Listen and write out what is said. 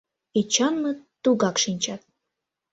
Эчанмыт тугак шинчат.